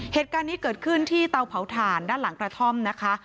เหตุการณ์นี้เกิดขึ้นที่เตาเผาถ่านด้านหลังกระท่อมนะคะ